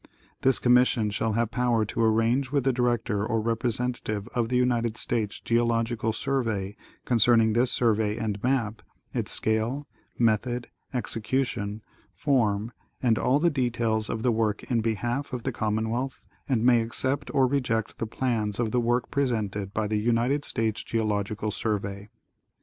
This Commission shall have power to arrange with the Dii'ector or representative of the United States Geologi cal Survey concerning this survey and map, its scale, method, exe cution, form and all details of the work in behalf of the Common wealth, and may accept or reject the plans of the work presented by the United States Geological Survey.